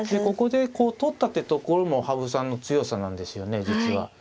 ここで取ったってところも羽生さんの強さなんですよね実は。